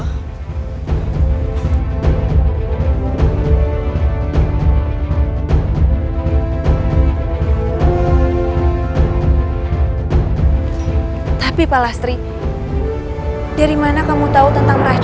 kalau dia sudah sedang jalan